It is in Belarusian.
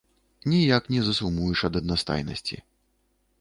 Ніяк не засумуеш ад аднастайнасці.